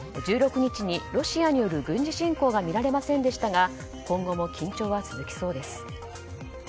１６日にロシアによる軍事侵攻は見られませんでしたが今後の緊張は続きそうです。